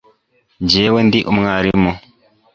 Njyewe ndi umwarimu